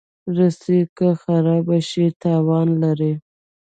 رسۍ که خراب شي، تاوان لري.